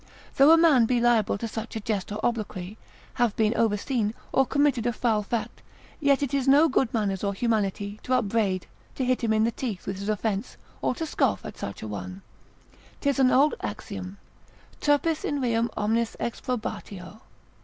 Though a man be liable to such a jest or obloquy, have been overseen, or committed a foul fact, yet it is no good manners or humanity, to upbraid, to hit him in the teeth with his offence, or to scoff at such a one; 'tis an old axiom, turpis in reum omnis exprobratio.